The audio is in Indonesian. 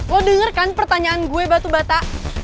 lo denger kan pertanyaan gue batu bata